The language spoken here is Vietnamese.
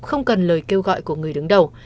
không cần lời kêu gọi của người đứng đầu